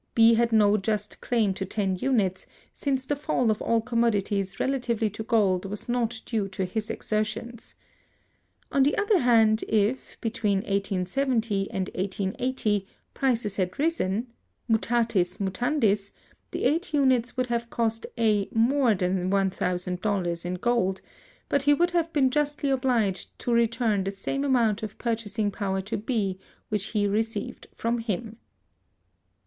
B had no just claim to ten units, since the fall of all commodities relatively to gold was not due to his exertions. On the other hand, if, between 1870 and 1880, prices had risen, mutatis mutandis, the eight units would have cost A more than $1,000 in gold; but he would have been justly obliged to return the same amount of purchasing power to B which he received from him.